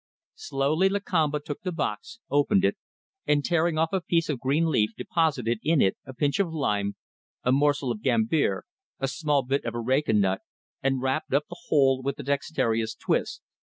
Slowly Lakamba took the box, opened it, and tearing off a piece of green leaf deposited in it a pinch of lime, a morsel of gambier, a small bit of areca nut, and wrapped up the whole with a dexterous twist.